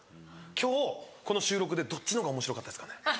今日この収録でどっちの方がおもしろかったですかね？